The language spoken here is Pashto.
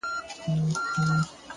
هوډ د ناامیدۍ ورېځې لرې کوي.